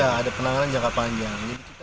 ya ada penanganan jangka panjang